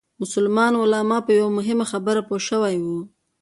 مسلمان علما په یوه مهمه خبره پوه شوي وو.